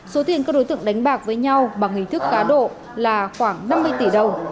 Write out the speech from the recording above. số tiền các đối tượng đánh bạc với nhau bằng hình thức cá độ là khoảng năm mươi tỷ đồng